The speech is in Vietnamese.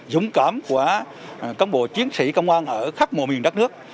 dũng cảm của các bộ chiến sĩ công an ở khắp mùa miền đất nước